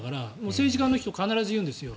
政治家の人、必ず言うんですよ。